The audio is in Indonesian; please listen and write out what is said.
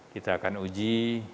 kita akan mengubahnya